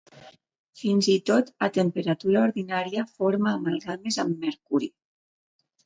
Fins i tot a temperatura ordinària forma amalgames amb mercuri.